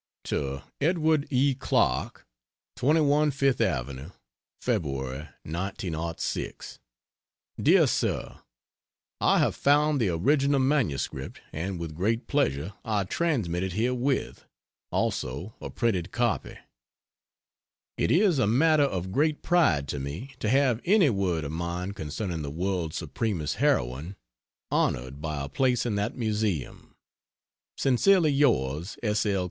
To Edward E. Clarke: 21 FIFTH AVE., Feb., 1906. DEAR SIR, I have found the original manuscript and with great pleasure I transmit it herewith, also a printed copy. It is a matter of great pride to me to have any word of mine concerning the world's supremest heroine honored by a place in that Museum. Sincerely yours, S. L.